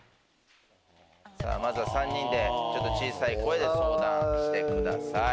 まずは３人で小さい声で相談してください。